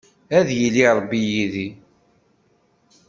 Ad yili Ṛebbi yid-i.